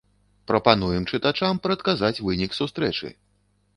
Прапануем чытачам прадказаць вынік сустрэчы.